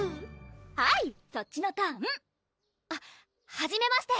はいそっちのターンははじめまして！